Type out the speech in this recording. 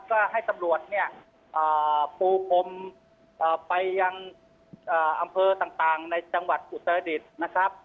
ก็ให้ตำรวจเนี่ยอ่าปูปมอ่าไปยังอ่าอำเภอต่างต่างในจังหวัดอุตรดิสต์นะครับ